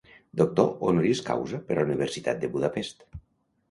Doctor honoris causa per la Universitat de Budapest.